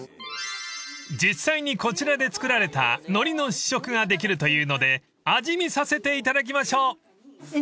［実際にこちらで作られたのりの試食ができるというので味見させていただきましょう］